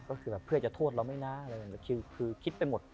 ก็คือเพื่อจะโทษเราไม่นะคือคิดไปหมด